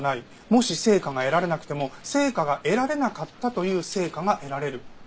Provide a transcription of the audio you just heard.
もし成果が得られなくても成果が得られなかったという成果が得られる。